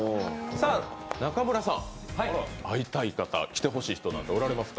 中村さん、会いたい方来てほしい人なんておられますか？